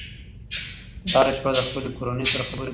زه هره شپه د خپلې کورنۍ سره خبرې کوم.